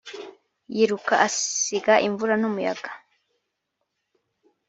yiruka asiga imvura n’umuyaga.